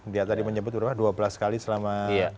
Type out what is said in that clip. dia tadi menyebut berapa dua belas kali selama dua ribu empat belas